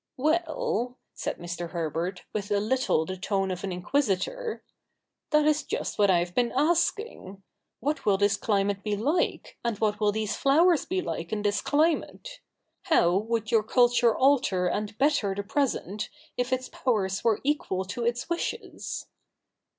'Well/ said Mr. Herbert, with a little the tone of an inquisitor, ' that is just what I have been asking. What will this climate be like, and what will these flowers be like in this climate ? How would your culture alter and better the present, if its powers were equal to its wishes